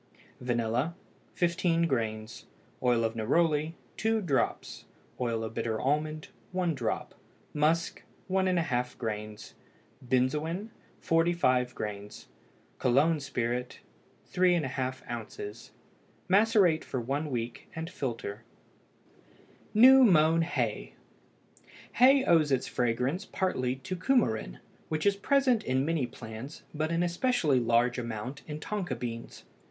Vanilla 15 grains. Oil of neroli 2 drops. Oil of bitter almond 1 drop. Musk 1½ grains. Benzoin 45 grains. Cologne spirit 3½ oz. Macerate for one week, and filter. NEW MOWN HAY. Hay owes its fragrance partly to cumarin, which is present in many plants, but in especially large amount in tonka beans.